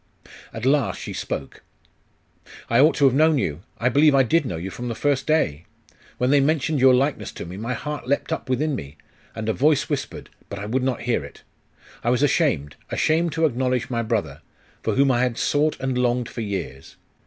At last she spoke. 'I ought to have known you, I believe I did know you from the first day! When they mentioned your likeness to me, my heart leapt up within me; and a voice whispered.... but I would not hear it! I was ashamed ashamed to acknowledge my brother, for whom I had sought and longed for years....